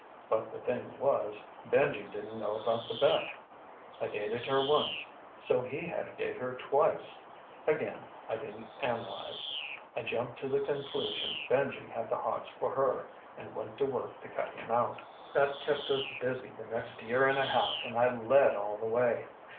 But, the thing was, Benji didn't know about the bet. I dated her once. So he had to date her twice. Again, I didn't analyze. I jumped to the conclusion Benji had the hots for her and went to work to cut him out. That kept us busy the next year and a half and I led all the way.